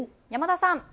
山田さん。